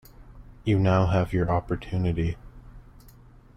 You have now your opportunity.